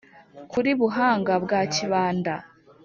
kuri buhanga mwa kibanda